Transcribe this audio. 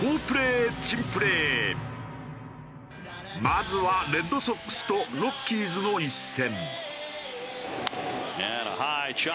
まずはレッドソックスとロッキーズの一戦。